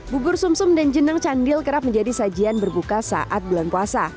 bubur sum sum dan jenang candil kerap menjadi sajian berbuka saat bulan puasa